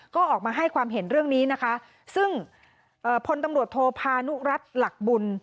ก็ออกมาให้ความเห็นเรื่องนี้นะคะซึ่งเอ่อพลตำรวจโทพานุรัติหลักบุญ